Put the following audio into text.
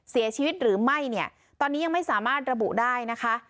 เสียชีวิตหรือไม่เนี่ยตอนนี้ยังไม่สามารถระบุได้นะคะ